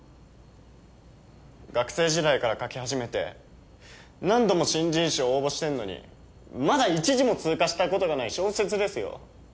学生時代から書きはじめて何度も新人賞応募してんのにまだ一次も通過したことがない小説ですよ！